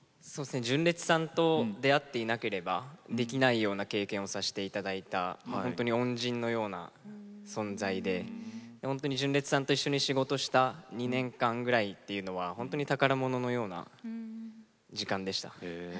純烈さんと出会っていなければできないような経験をさせていただいた恩人のような存在で本当に純烈さんと一緒に仕事した２年間ぐらいというのは宝物のような時間でした。